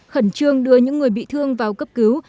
khẩn trương đưa những người bị thương vào cấp cứu